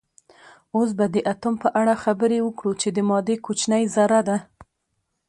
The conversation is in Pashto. اوس به د اتوم په اړه خبرې وکړو چې د مادې کوچنۍ ذره ده